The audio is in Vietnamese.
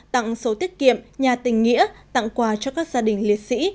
tặng số tiết kiệm nhà tình nghĩa tặng quà cho các gia đình liệt sĩ